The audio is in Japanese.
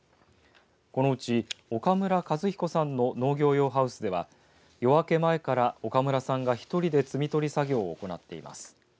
このうち岡村和彦さんの農業用ハウスでは夜明け前から岡村さんが１人で摘み取り作業を行っています。